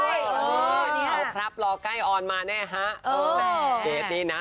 เหรอครับเค้ารอใกล้ออนมาไว้แนะฮะ